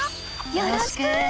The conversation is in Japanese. よろしく！